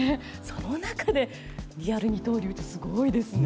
その中でリアル二刀流ってすごいですね。